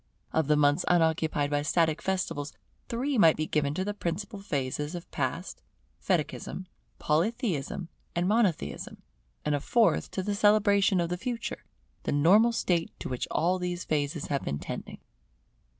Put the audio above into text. Of the months unoccupied by static festivals, three might be given to the principal phases of the Past, Fetichism, Polytheism, and Monotheism; and a fourth to the celebration of the Future, the normal state to which all these phases have been tending.